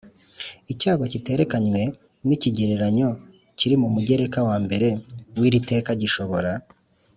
Icyago kiterekanywe n ikigereranyo kiri mu mugereka wa mbere w iri teka gishobora